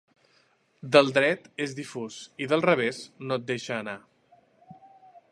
Del dret és difús i del revés no et deixa anar.